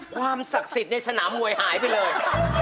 ความศักดิ์สิทธิ์ในสนามมวยหายไปเลย